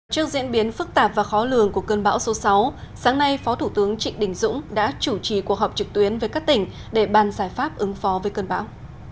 trước diễn biến phức tạp và khó lường của cơn bão số sáu sáng nay phó thủ tướng trịnh đình dũng đã chủ trì cuộc họp trực tuyến với các tỉnh để ban giải pháp ứng phó với cơn bão